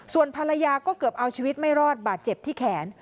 ส่วนภรรยาก็เกือบเอาชีวิตไม่รอดบาดเจ็บที่แขน